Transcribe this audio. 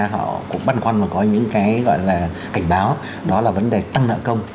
họ cũng băn khoăn và có những cái gọi là cảnh báo đó là vấn đề tăng nợ công